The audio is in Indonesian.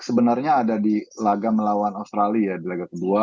sebenarnya ada di laga melawan australia ya di laga kedua